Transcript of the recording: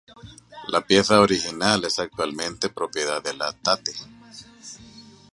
La pieza original es actualmente propiedad de la Tate.